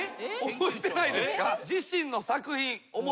覚えてないですか？